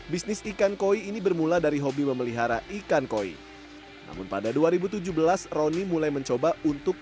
bisnis ikan koi ini bermula dari hobi memelihara ikan koi namun pada dua ribu tujuh belas roni mulai mencoba untuk